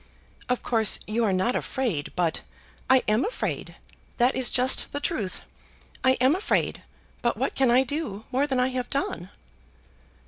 "Of course you are not afraid, but " "I am afraid. That is just the truth. I am afraid; but what can I do more than I have done?"